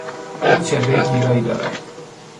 او چهرهی گیرایی دارد.